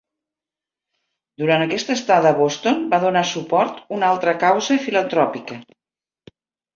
Durant aquesta estada a Boston va donar suport una altra causa filantròpica.